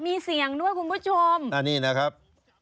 มีเสียงด้วยคุณผู้ชมอันนี้นะครับ